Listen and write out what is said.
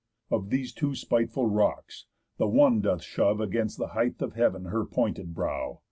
Of these two spiteful rocks, the one doth shove Against the height of heav'n her pointed brow.